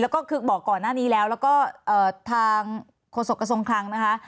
แล้วก็คือบอกก่อนหน้านี้แล้วแล้วก็ทางโฆษกระทรวงคลังนะคะ